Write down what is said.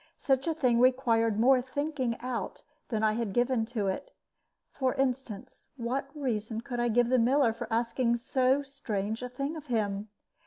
Such a thing required more thinking out than I had given to it. For instance, what reason could I give the miller for asking so strange a thing of him?